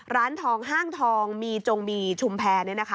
ร้านทองห้างทองมีจงมีชุมแพรนี่นะคะ